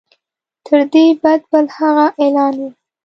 تر دې بد بل هغه اعلان وو.